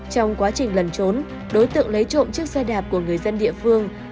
trong quá trình lần trốn đối tượng lấy trộm chiếc xe đạp của người dân địa phương